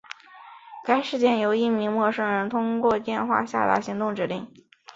该事件由一名陌生人通过电话下达行动指令。